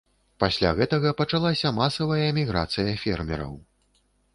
Пасля гэтага пачалася масавая міграцыя фермераў.